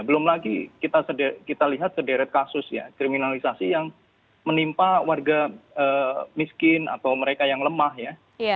belum lagi kita lihat sederet kasus ya kriminalisasi yang menimpa warga miskin atau mereka yang lemah ya